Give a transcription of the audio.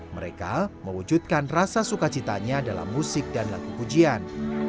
mereka mewujudkan rasa sukacitanya dalam musik dan lagu pujian